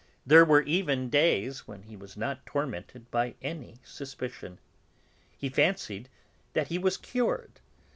There were even days when he was not tormented by any suspicion. He fancied that he was cured.